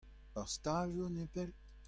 Ur stal zo nepell ?